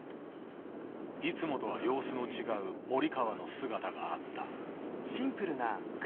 いつもとは様子の違う森川の姿があった。